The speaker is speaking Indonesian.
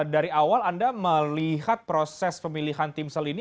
dari awal anda melihat proses pemilihan tim sel ini